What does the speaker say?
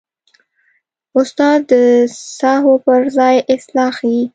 استاد د سهوو پر ځای اصلاح ښيي.